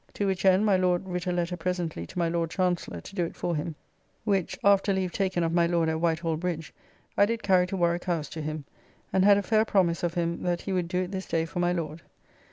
To which end my Lord writ a letter presently to my Lord Chancellor to do it for him, which (after leave taken of my Lord at White Hall bridge) I did carry to Warwick House to him; and had a fair promise of him, that he would do it this day for my Lord.